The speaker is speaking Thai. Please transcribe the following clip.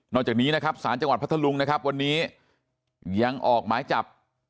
นอกจากนี้หรือสถานบันเทิงพัทธลุงวันนี้ยังออกหมายจับ